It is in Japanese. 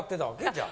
じゃあ。